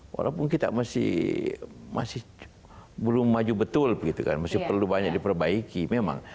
walaupun kita masih belum maju betul masih perlu banyak diperbaiki memang